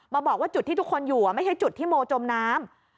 บอกว่าจุดที่ทุกคนอยู่ไม่ใช่จุดที่โมจมน้ำ